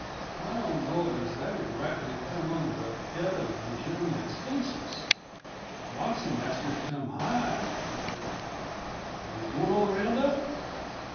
I don't know as that'd rightly come under the head of legitimate expenses; boxing masters come high, I've heard. Are yuh going on round up?"